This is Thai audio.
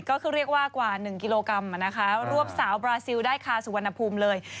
ก็คือเรียกว่ากว่า๑กิโลกรัมรวบสาวบราซิลได้คาสุวรรณภูมิเลย